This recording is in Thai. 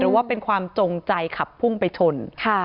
ว่าเป็นความจงใจขับพุ่งไปชน